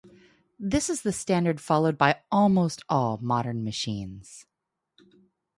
This standard is followed by almost all modern machines.